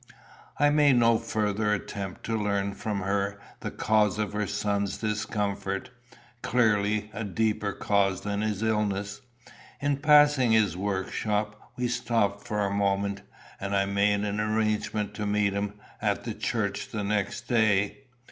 I made no further attempt to learn from her the cause of her son's discomfort, clearly a deeper cause than his illness. In passing his workshop, we stopped for a moment, and I made an arrangement to meet him at the church the next day.